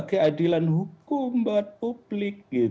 keadilan hukum buat publik